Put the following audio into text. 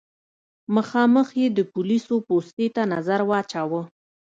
مخامخ يې د پوليسو پوستې ته نظر واچوه.